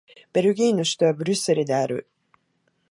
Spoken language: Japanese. ベルギーの首都はブリュッセルである